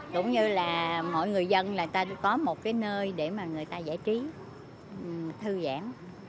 cũng như là mọi người dân có một nơi để người ta giải trí thư giãn